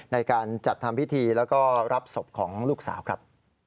ในการจัดทำพิธีแล้วก็รับศพของลูกสาวครับ